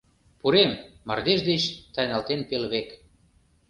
Пурем, мардеж деч тайналтен пелвек.